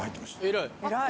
偉い。